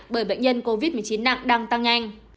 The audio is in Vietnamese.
bởi bệnh nhân covid một mươi chín nặng đang tăng nhanh